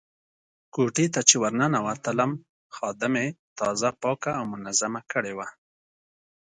کوټې ته چې ورننوتلم خادمې تازه پاکه او منظمه کړې وه.